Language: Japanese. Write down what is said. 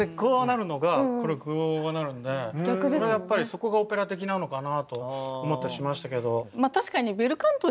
やっぱりそこがオペラ的なのかなと思ったりしましたけど。